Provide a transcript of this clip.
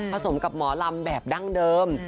สมกับหมอลำแบบดั้งเดิม